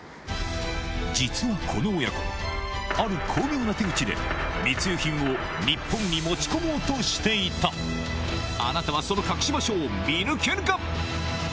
実はこの親子ある巧妙な手口で密輸品を日本に持ち込もうとしていたあなたはその隠し場所を見抜けるか？